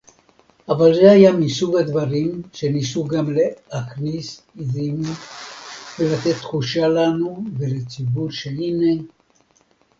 אבל זה היה מסוג הדברים שניסו גם להכניס עזים ולתת תחושה לנו ולציבור שהנה